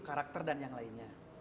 karakter dan yang lainnya